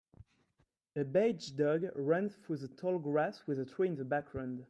A beige dog runs through the tall grass with a tree in the background.